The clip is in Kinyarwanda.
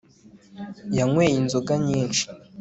yanyweye inzoga nyinshi